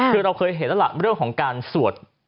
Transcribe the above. คือเราเคยเห็นละหลักเรื่องของสวด